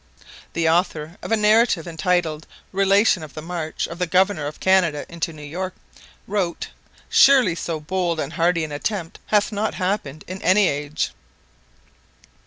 The author of a narrative entitled Relation of the March of the Governor of Canada into New York wrote: 'Surely so bold and hardy an attempt hath not happened in any age.'